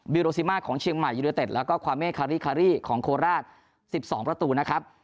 โรซิมาของเชียงใหม่ยูเนเต็ดแล้วก็ควาเมคารี่คารี่ของโคราช๑๒ประตูนะครับ